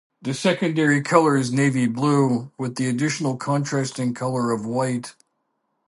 The secondary colour is navy blue, with additional contrasting colour of white.